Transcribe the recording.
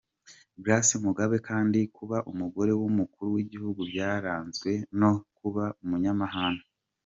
Grace Mugabe kandi kuba umugore w’umukuru w’igihugu byaranzwe no kuba umunyamahane.